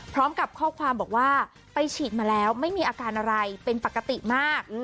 พร้อมกับข้อความบอกว่าไปฉีดมาแล้วไม่มีอาการอะไรเป็นปกติมาก